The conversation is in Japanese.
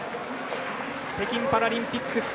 北京パラリンピック